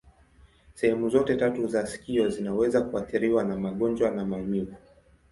Sehemu zote tatu za sikio zinaweza kuathiriwa na magonjwa na maumivu.